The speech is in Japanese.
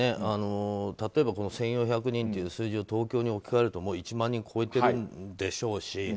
例えば１４００人という数字を東京に置き換えるともう１万人超えているでしょうし。